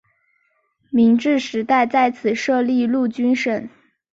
明治时代在此设立陆军省。